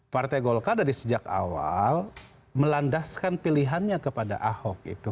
partai golkar dari sejak awal melandaskan pilihannya kepada ahok itu